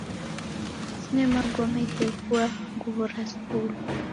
Sine magome gheghua nguw'o ra skulu.